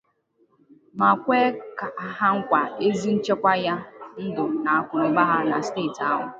ma kwe ha nkwa ezi nchekwa nye ndụ na akụnụba ha na steeti ahụ